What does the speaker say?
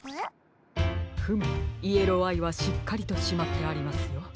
フムイエローアイはしっかりとしまってありますよ。